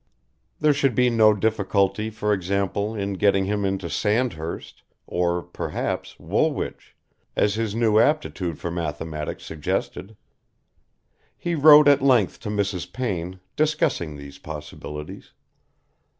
There should be no difficulty for example, in getting him into Sandhurst ... or, perhaps, Woolwich, as his new aptitude for mathematics suggested. He wrote at length to Mrs. Payne, discussing these possibilities.